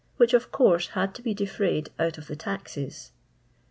which of course had to be defrayed out of the taxes.